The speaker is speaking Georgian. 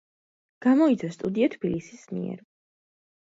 გამოიცა სტუდია „თბილისის“ მიერ.